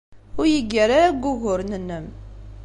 Ur iyi-ggar ara deg wuguren-nnem.